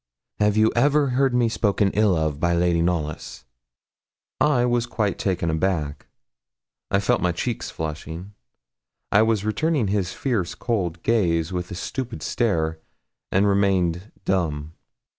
Have you ever heard me spoken ill of by Lady Knollys?' I was quite taken aback. I felt my cheeks flushing. I was returning his fierce cold gaze with a stupid stare, and remained dumb.